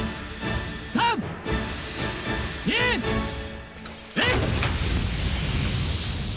３２１。